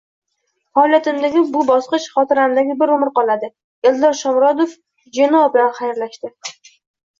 “Faoliyatimdagi bu bosqich xotiramda bir umr qoladi”. Eldor Shomurodov “Jenoa” bilan xayrlashdi